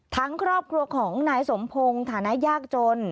ทั้งครอบครัวของไหนสมพงษ์ฐานะยากจน